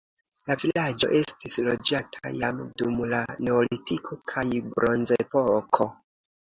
La vilaĝo estis loĝata jam dum la neolitiko kaj bronzepoko.